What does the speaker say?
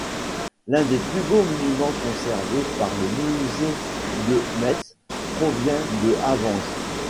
L’un des plus beaux monuments conservés par le musée de Metz provient de Havange.